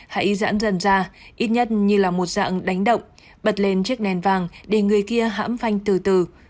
hãy giãn dần ra ít nhất như là một dạng đánh động bật lên chiếc nền vàng để người kia hãm phanh từ từ